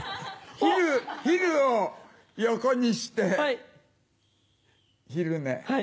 「昼」を横にして昼寝。